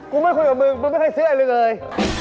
ไม่คุยกับมึงกูไม่เคยซื้ออะไรเลย